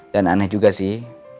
dan aneh juga sih